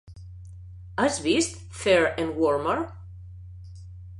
Has vist "Fair and Warmer"?